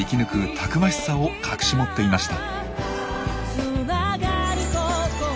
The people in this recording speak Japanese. たくましさを隠し持っていました。